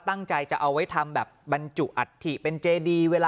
ตั้งใจจะเอาไว้ทำแบบบรรจุอัฐิเป็นเจดีเวลา